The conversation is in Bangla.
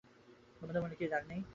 তোমার মনে কি রাগও নেই?